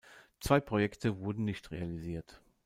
Zwei Projekte wurden nicht realisiert.